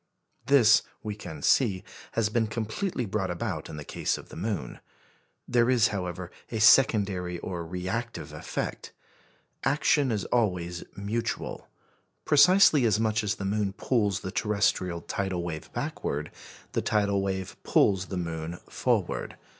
This, we can see, has been completely brought about in the case of the moon. There is, however, a secondary or reactive effect. Action is always mutual. Precisely as much as the moon pulls the terrestrial tidal wave backward, the tidal wave pulls the moon forward.